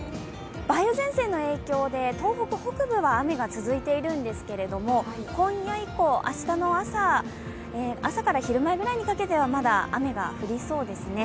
梅雨前線の影響で東北北部は雨が続いているんですけれども、今夜以降、明日の朝から昼前ぐらいまでにかけては雨が降りそうですね。